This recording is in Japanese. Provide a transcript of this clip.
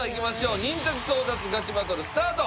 ニン拓争奪ガチバトルスタート！